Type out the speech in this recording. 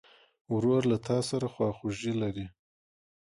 ورور له تا سره خواخوږي لري.